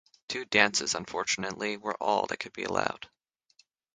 Two dances, unfortunately, were all that could be allowed.